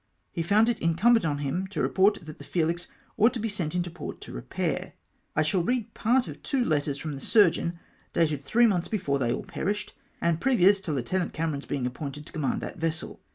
He found it incumbent on him to report that the Felix ought to be sent into port to repair. I shall read part of two letters from the surgeon, dated three months before they all perished, and previous to Lieutenant Ca meron's being appointed to command that vessel.